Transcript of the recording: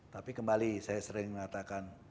tapi kembali saya sering mengatakan